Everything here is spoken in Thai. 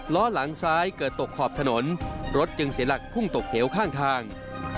ล้อหลังซ้ายเกิดตกขอบถนนรถจึงเสียหลักพุ่งตกเหวข้างทาง